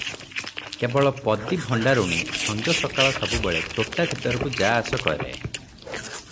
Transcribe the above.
କେବଳ ପଦୀ ଭଣ୍ଡାରୁଣୀ ସଞ୍ଜ ସକାଳ ସବୁବେଳେ ତୋଟା ଭିତରକୁ ଯା ଆସ କରେ ।